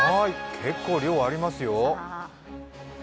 結構、量ありますよ。